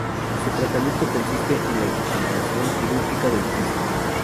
Su tratamiento consiste en la extirpación quirúrgica del quiste.